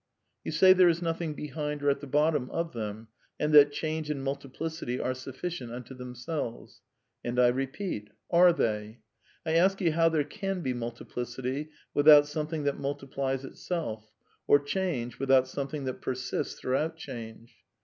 You say there is nothing behind or at the bottom of them, and that change and multiplicity are sufficient unto themselves. And I repeat: Are they? I ask you how there can be multiplicity without something that multi plies itself, or change without something that persists throughout change.